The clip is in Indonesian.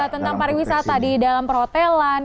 tentang pariwisata di dalam perhotelan